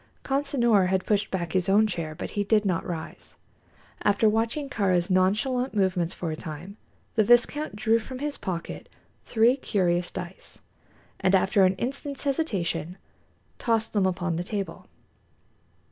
Consinor had pushed back his own chair, but he did not rise. After watching Kāra's nonchalant movements for a time, the viscount drew from his pocket three curious dice, and after an instant's hesitation tossed them upon the table.